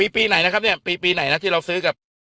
ปีไหนนะครับเนี่ยปีไหนนะที่เราซื้อกับ